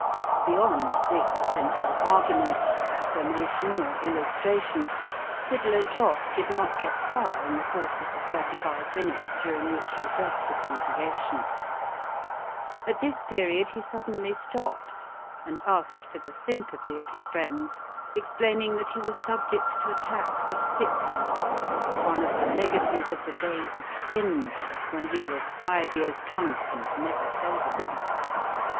Beyond this central argument, affirmation, or illustration, Fiddler Joss did not get far in the course of the thirty five minutes during which he addressed the congregation. At this period he suddenly stopped, and asked for the sympathy of his friends, explaining that he was subject to attacks of sickness, one of the legacies of the days of sin, when he was "five years drunk and never sober."